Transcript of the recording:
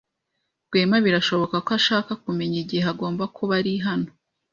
Rwema birashoboka ko ashaka kumenya igihe agomba kuba ari hano.